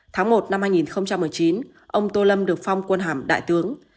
tháng một năm hai nghìn một mươi chín ông tô lâm được phong quân hàm đại tướng